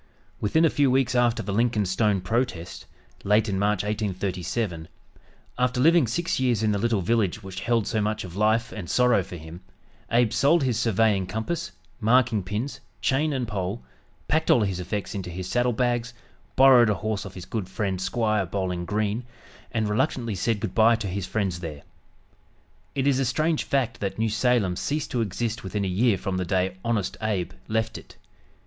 Within a few weeks after the Lincoln Stone protest, late in March, 1837, after living six years in the little village which held so much of life and sorrow for him, Abe sold his surveying compass, marking pins, chain and pole, packed all his effects into his saddle bags, borrowed a horse of his good friend "Squire" Bowling Green, and reluctantly said good bye to his friends there. It is a strange fact that New Salem ceased to exist within a year from the day "Honest Abe" left it.